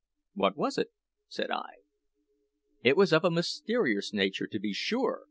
"What was it?" said I. "It was of a mysterious nature, to be sure!"